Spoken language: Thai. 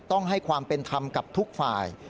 ต้องให้ความเป็นธรรมกับทุกฝ่าย